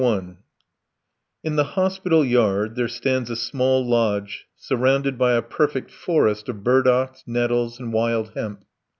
6 I In the hospital yard there stands a small lodge surrounded by a perfect forest of burdocks, nettles, and wild hemp.